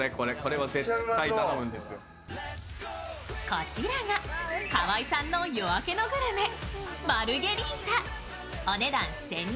こちらが河合さんの夜明けのグルメマルゲリータ。